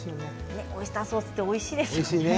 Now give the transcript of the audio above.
オイスターソースおいしいですよね。